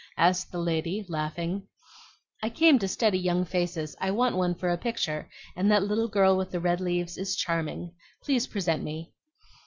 asked the lady, laughing. "I came to study young faces; I want one for a picture, and that little girl with the red leaves is charming. Please present me."